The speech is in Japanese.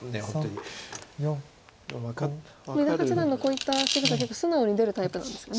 伊田八段のこういったしぐさは結構素直に出るタイプなんですかね。